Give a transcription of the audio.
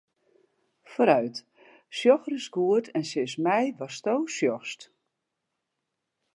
Foarút, sjoch ris goed en sis my watsto sjochst.